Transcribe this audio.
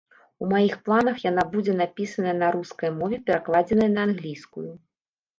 У маіх планах, яна будзе напісаная на рускай мове, перакладзена на англійскую.